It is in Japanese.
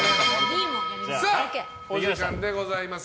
お時間でございます。